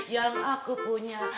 yang aku punya